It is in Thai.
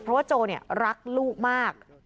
เพราะว่าโจรักลูกมาก